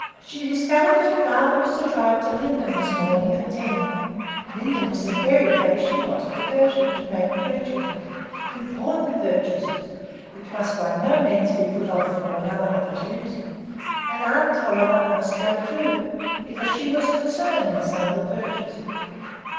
She discovered that her father was to drive to Lindum this morning at ten; Lindum was the very place she wanted to go to, to make purchases,—important purchases, which must by no means be put off to another opportunity; and aunt Tulliver must go too, because she was concerned in some of the purchases.